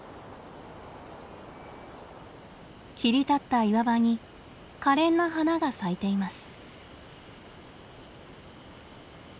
切り立った岩場にかれんな花が咲いています。